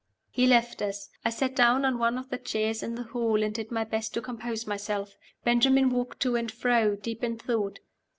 He left us. I sat down on one of the chairs in the hall, and did my best to compose myself. Benjamin walked to and fro, deep in thought.